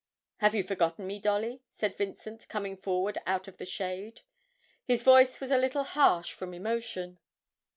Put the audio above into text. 'Have you forgotten me, Dolly?' said Vincent, coming forward out of the shade. His voice was a little harsh from emotion.